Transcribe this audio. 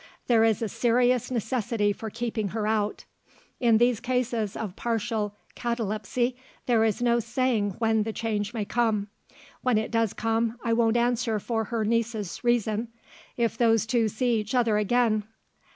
There is a serious necessity for keeping her out. In these cases of partial catalepsy, there is no saying when the change may come. When it does come, I won't answer for her niece's reason, if those two see each other again.